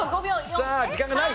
さあ時間がない。